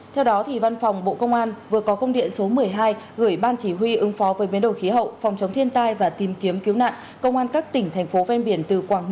theo đó văn phòng bộ công an vừa có công điện số một mươi hai gửi ban chỉ huy ứng phó với biến đổi khí hậu phòng chống thiên tai và tìm kiếm cứu nạn công an các tỉnh thành phố ven biển từ quảng bình